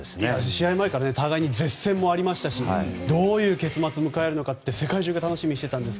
試合前から、互いに舌戦もありましたしどういう結末を迎えるか世界中が楽しみにしています。